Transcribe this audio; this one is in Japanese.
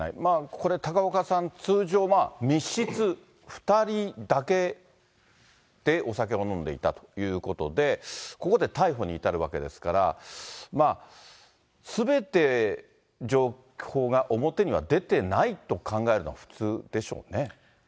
これ、高岡さん、通常、密室２人だけでお酒を飲んでいたということで、ここで逮捕に至るわけですから、すべて情報が表には出ていないと考えるのが普通でしょうね。